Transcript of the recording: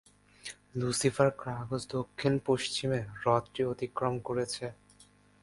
Lucifer Crags দক্ষিণ-পশ্চিমে হ্রদটি অতিক্রম করেছে।